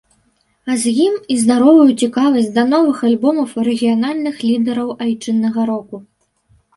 А з ім і здаровую цікавасць да новых альбомаў рэгіянальных лідэраў айчыннага року.